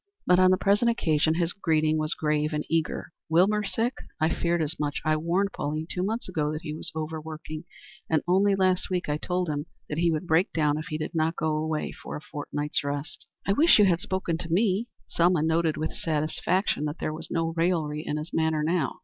But on the present occasion his greeting was grave and eager. "Wilbur sick? I feared as much. I warned Pauline two months ago that he was overworking, and only last week I told him that he would break down if he did not go away for a fortnight's rest." "I wish you had spoken to me." Selma noted with satisfaction that there was no raillery in his manner now.